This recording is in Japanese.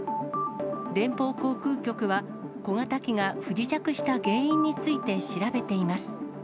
連邦航空局は、小型機が不時着した原因について調べています。